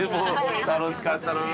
楽しかったなあ。